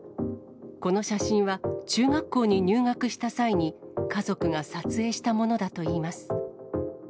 この写真は、中学校に入学した際に、家族が撮影したものだといいます。